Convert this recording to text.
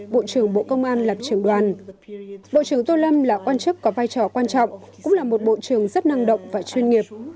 bộ trưởng bộ công an làm trường đoàn bộ trưởng tô lâm là quan chức có vai trò quan trọng cũng là một bộ trưởng rất năng động và chuyên nghiệp